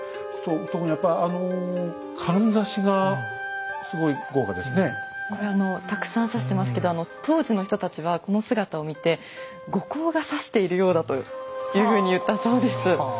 特にやっぱあのこれたくさん挿してますけど当時の人たちはこの姿を見て後光がさしているようだというふうに言ったそうです。